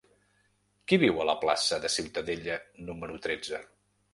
Qui viu a la plaça de Ciutadella número tretze?